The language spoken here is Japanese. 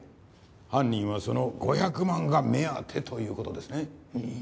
犯人はその５００万が目当てという事ですねうん。